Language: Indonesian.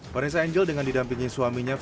pernahkah kita mencoba